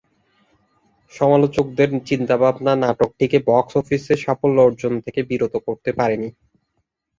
সমালোচকদের চিন্তাভাবনা নাটকটিকে বক্স অফিসে সাফল্য অর্জন থেকে বিরত করতে পারেনি।